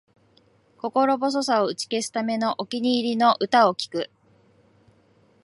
心細さを打ち消すため、お気に入りの歌を聴く